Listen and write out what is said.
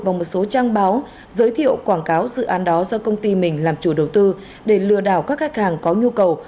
và một số trang báo giới thiệu quảng cáo dự án đó do công ty mình làm chủ đầu tư để lừa đảo các khách hàng có nhu cầu